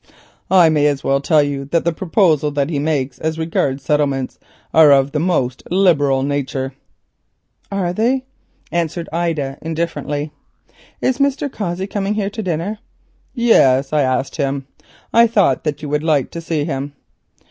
I may as well tell you that the proposals which he makes as regards settlements are of the most liberal nature." "Are they?" answered Ida indifferently. "Is Mr. Cossey coming here to dinner?" "Yes, I asked him. I thought that you would like to see him."